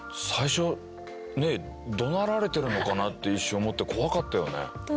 最初どなられてるのかなって一瞬思って怖かったよね。